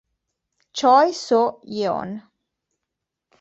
Choi Soo-yeon